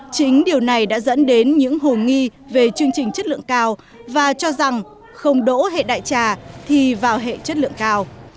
chính điều này đã dẫn đến những hồ nghi về chương trình chất lượng cao và cho rằng không đỗ hệ đại trà thì vào hệ chất lượng cao